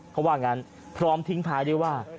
เพราะว่างั้นพร้อมทิ้งภายได้ว่า